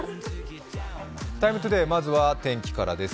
「ＴＩＭＥ，ＴＯＤＡＹ」、今日は天気からです